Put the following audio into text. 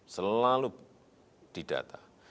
selalu di data